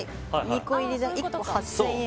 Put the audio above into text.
２個入りで１個８０００円